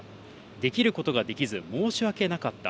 できることができず申しわけなかった。